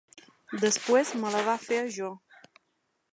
Després me la va fer a mi.